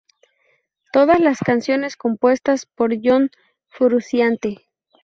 Todas las canciones compuestas por John Frusciante.